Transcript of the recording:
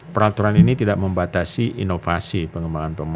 peraturan ini tidak membatasi inovasi pengembangan pembangunan